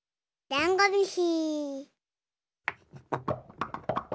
ダンゴムシ。